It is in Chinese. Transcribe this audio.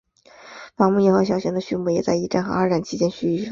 伐木业和小型的畜牧业在一战和二战期间继续发展。